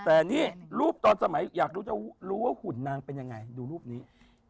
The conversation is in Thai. แต่นี่รูปตอนสมัยอยากรู้จะรู้ว่าหุ่นนางเป็นยังไงดูรูปนี้